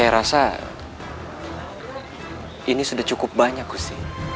saya rasa ini sudah cukup banyak gus